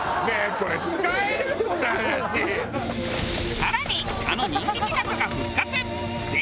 更にあの人気企画が復活！